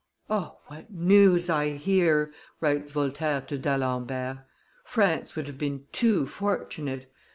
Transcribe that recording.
"O, what news I hear!" writes Voltaire to D'Alembert; "France would have been too fortunate.